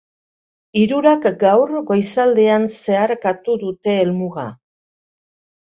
Hirurak gaur goizaldean zeharkatu dute helmuga.